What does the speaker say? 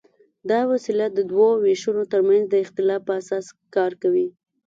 دا وسیله د دوو وېشونو تر منځ د اختلاف په اساس کار کوي.